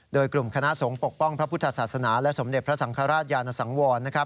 โดยกลุ่มคณะสงฆ์ปกป้องพระพุทธศาสนาและสมเด็จพระสังฆราชยานสังวร